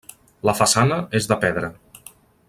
La façana és de pedra.